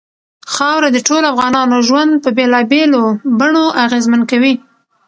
خاوره د ټولو افغانانو ژوند په بېلابېلو بڼو اغېزمن کوي.